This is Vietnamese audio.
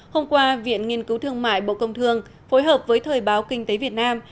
hôm qua viện nghiên cứu thương mại bộ công thương phối hợp với thời báo kinh tế việt nam